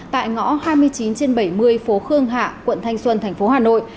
tại ngõ hai mươi chín trên bảy mươi phố khương hạ quận thanh xuân tp hà nội